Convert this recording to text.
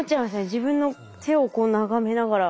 自分の手をこう眺めながら。